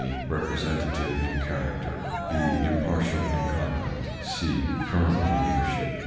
Representative in character. (b). Impartial in conduct. (c). Firm in leadership.